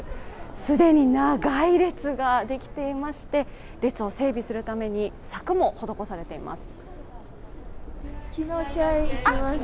既に長い列ができていまして、列を整備するために柵も施されています。